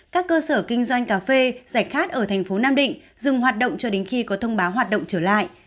các cơ sở kinh doanh cà phê giải khát ở thành phố nam định dừng hoạt động cho đến khi có thông báo hoạt động trở lại